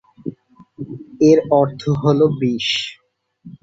এর অর্থ হল বিষ।